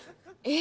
え？